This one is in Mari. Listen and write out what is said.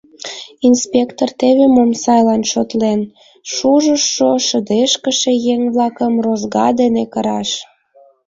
Инспектор теве мом сайлан шотлен: шужышо, шыдешкыше еҥ-влакым розга дене кыраш!..